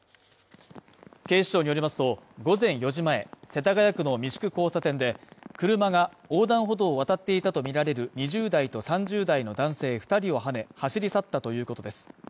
警視庁によりますと、午前４時前、世田谷区の三宿交差点で車が横断歩道を渡っていたとみられる２０代と３０代の男性２人をはね、走り去ったということです。